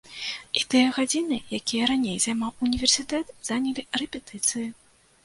І тыя гадзіны, якія раней займаў універсітэт, занялі рэпетыцыі.